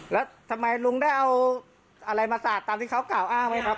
แล้วทำไมลุงได้เอาอะไรมาสาดตามที่เขากล่าวอ้างไหมครับ